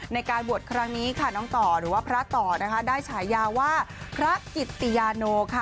ในการบวชครั้งนี้ค่ะน้องต่อหรือว่าพระต่อนะคะได้ฉายาว่าพระกิตติยาโนค่ะ